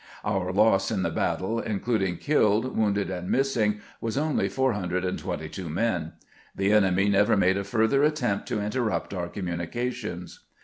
Our loss in the battle, including killed, wounded, and missing, was only 422 men. The enemy never made a further attempt to interrupt our communications.